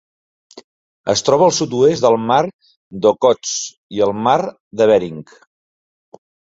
Es troba al sud-oest del mar d'Okhotsk i el mar de Bering.